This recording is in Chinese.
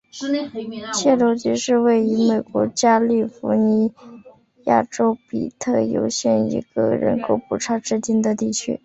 切罗基是位于美国加利福尼亚州比尤特县的一个人口普查指定地区。